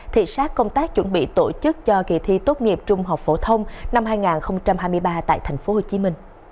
thị xác công tác chuẩn bị tổ chức cho kỳ thi tốt nghiệp trung học phổ thông năm hai nghìn hai mươi ba tại tp hcm